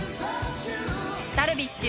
ダルビッシュ